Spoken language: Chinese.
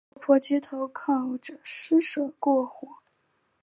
落魄街头靠著施舍过活